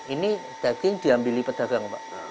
ini daging diambil pedagang pak